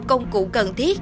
công cụ cần thiết